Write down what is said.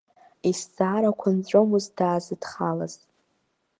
Изҵаарақәа нҵәомызт даазыдхалаз.